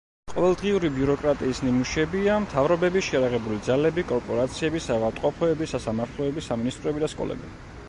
ყოველდღიური ბიუროკრატიის ნიმუშებია მთავრობები, შეიარაღებული ძალები, კორპორაციები, საავადმყოფოები, სასამართლოები, სამინისტროები და სკოლები.